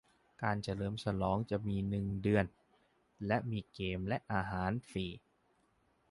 การเฉลิมฉลองจะมีหนึ่งเดือนและมีเกมและอาหารฟรี